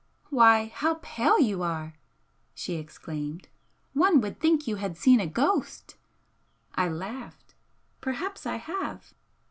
"Why, how pale you are!" she exclaimed "One would think you had seen a ghost!" I laughed. "Perhaps I have!